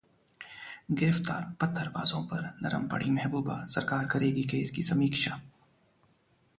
गिरफ्तार 'पत्थरबाजों' पर नरम पड़ीं महबूबा, सरकार करेगी केस की समीक्षा